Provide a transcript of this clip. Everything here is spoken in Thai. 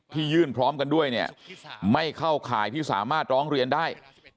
ยื่นพร้อมกันด้วยเนี่ยไม่เข้าข่ายที่สามารถร้องเรียนได้